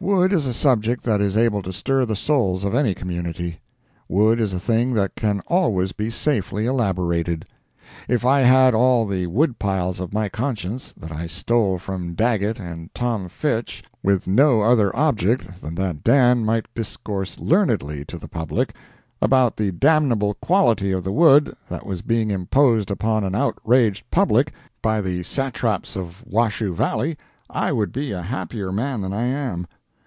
Wood is a subject that is able to stir the souls of any community. Wood is a thing that can always be safely elaborated. If I had all the wood piles of my conscience, that I stole from Daggett and Tom Fitch with no other object than that Dan might discourse learnedly to the public about the damnable quality of the wood that was being imposed upon an outraged public by the satraps of Washoe Valley, I would be a happier man than I am.